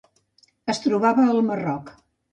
Es trobava al Marroc.